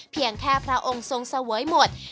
เพียงแค่พระองค์ทรงเสวยหมด